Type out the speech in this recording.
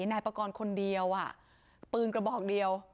นายประกอบคนเดียวปืนกระบอกเดียว